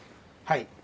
はい。